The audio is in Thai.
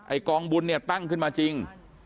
ไอ้กองบุญตั้งขึ้นมาจริง